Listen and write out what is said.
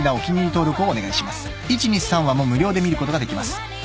［１・２・３話も無料で見ることができます］